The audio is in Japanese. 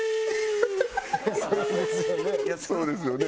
そうですよね。